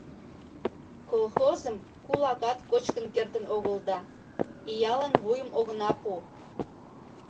— Колхозым кулакат кочкын кертын огыл да, иялан вуйым огына пу.